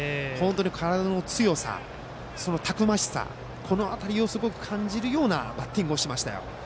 体の強さ、たくましさこの辺りをすごく感じるようなバッティングをしました。